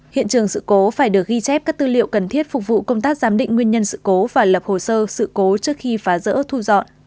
hiện trường sự cố phải được ghi chép các tư liệu cần thiết phục vụ công tác giám định nguyên nhân sự cố và lập hồ sơ sự cố trước khi phá rỡ thu dọn